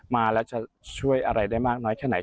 มาแล้วจะช่วยอะไรได้มากน้อยแค่ไหน